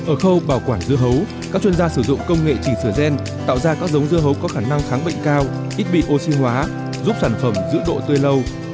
ở khâu bảo quản dưa hấu các chuyên gia sử dụng công nghệ chỉnh sửa gen tạo ra các giống dưa hấu có khả năng kháng bệnh cao ít bị oxy hóa giúp sản phẩm giữ độ tươi lâu